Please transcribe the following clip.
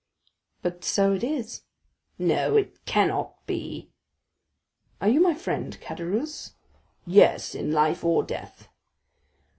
"But so it is." "No, it cannot be!" "Are you my friend, Caderousse?" "Yes, in life or death."